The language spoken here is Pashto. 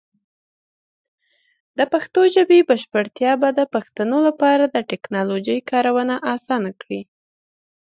د پښتو ژبې بشپړتیا به د پښتنو لپاره د ټیکنالوجۍ کارونه اسان کړي.